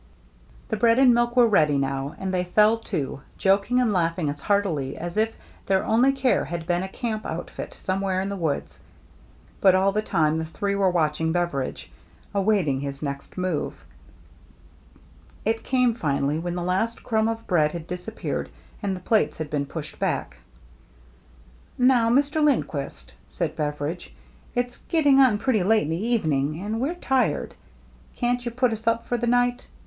The bread and milk were ready now, and they fell to, joking and laughing as heartily as if their only care had been a camp outfit some where in the woods ; but all the time the three were watching Beveridge, awaiting his next move. It came, finally, when the last crumb of bread had disappeared and the plates had been pushed back. " Now, Mr. Lindquist," said Beveridge, " it's getting on pretty late in the evening, and we're tired. Can't you put us up for the night?